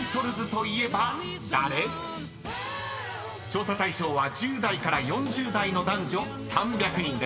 ［調査対象は１０代から４０代の男女３００人です］